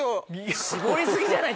絞り過ぎじゃない？